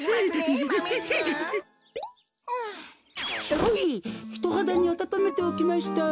ほいひとはだにあたためておきました。